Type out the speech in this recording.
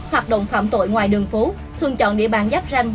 hoạt động phạm tội ngoài đường phố thường chọn địa bàn giáp ranh